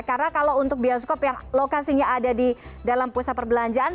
karena kalau untuk bioskop yang lokasinya ada di dalam pusat perbelanjaan